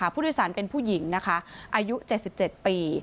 ผู้โดยสารเป็นผู้หญิงนะคะอายุ๗๗ปี